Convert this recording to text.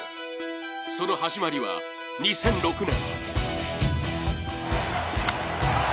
その始まりは２００６年。